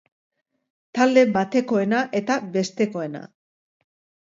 Talde batekoena eta bestekoena.